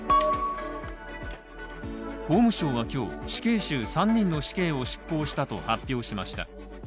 法務省は今日、死刑囚３人の死刑を執行したと発表しました。